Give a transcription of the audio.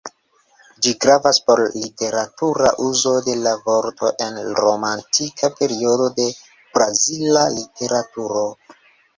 Ĝi gravas por literatura uzo de la vorto en romantika periodo de brazila literaturo.